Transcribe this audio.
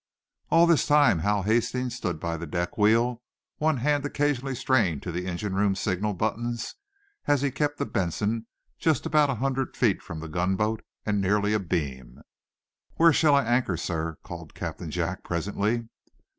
All this time Hal Hastings stood by the deck wheel, one hand occasionally straying to the engine room signal buttons, as he kept the "Benson" just about a hundred feet from the gunboat and nearly abeam. "Where shall I anchor, sir?" called Captain Jack, presently.